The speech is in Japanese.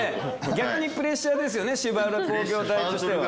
逆にプレッシャーですよね芝浦工業大としては。